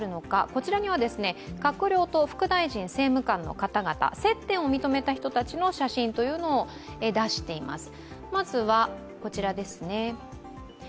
こちらには閣僚と副大臣、政務官の方々接点を認めた人たちの写真を出しています。